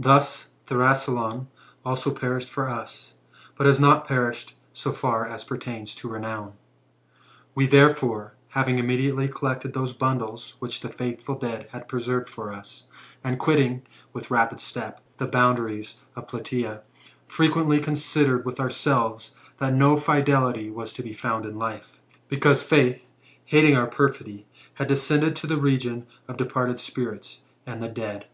Thus Thrasyleon also perished for us, but has not perished so far as pertains to renown We, therefore, having immediately collected those bundles which the faithful dead had preserved for us, and quitting, with rapid step, the boundaries of Platsea, frequently considered with ourselves, that no fidelity was to be found in life ; because Faith, hating our perfidy, had descended to the region of departed spirits, and the dead.